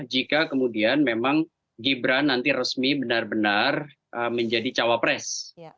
jika kemudian memang gibran nanti resmi benar benar menjadi cawapres